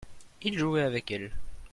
il jouait avec elle.